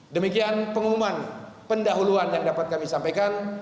demikian pengumuman pendahuluan yang dapat kami sampaikan